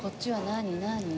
何？